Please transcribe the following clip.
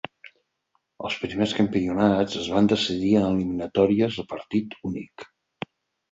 Els primers campionats es van decidir en eliminatòries a partit únic.